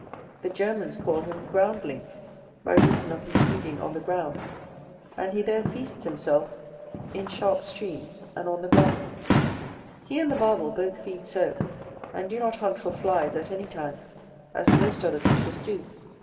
The Germans call him Groundling, by reason of his feeding on the ground; and he there feasts himself, in sharp streams and on the gravel. He and the Barbel both feed so: and do not hunt for flies at any time, as most other fishes do.